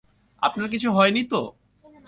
আপনার কিছু হয়নি তো?